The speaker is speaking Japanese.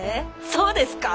そうですか！